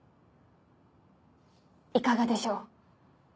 いかがでしょう。